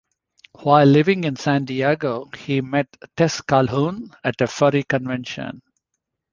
While living in San Diego, he met Tess Calhoun at a furry convention.